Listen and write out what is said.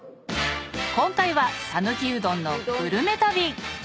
今回は讃岐うどんのグルメ旅！